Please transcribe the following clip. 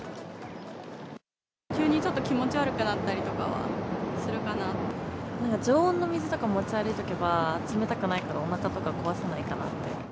急にちょっと気持ち悪くなっなんか常温の水とか持ち歩いておけば、冷たくないから、おなかとか壊さないかなって。